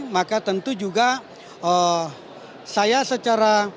maka tentu juga saya secara